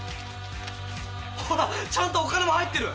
ほらちゃんとお金も入ってる。